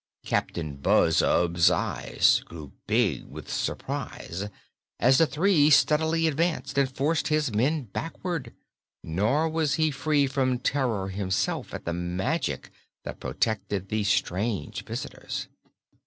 Captain Buzzub's eyes grew big with surprise as the three steadily advanced and forced his men backward; nor was he free from terror himself at the magic that protected these strange visitors.